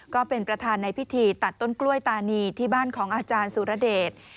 ก็เป็นประธานในพิธีตัดต้นกล้วยตานีที่บ้านของอาจารย์สุรเดช